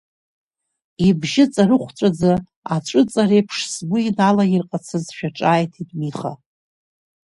Ибжьы ҵарыхәҵәаӡа, аҵәы ҵар еиԥш сгәы иналаирҟацазшәа, ҿааиҭит Миха.